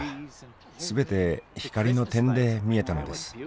すべて光の点で見えたのです。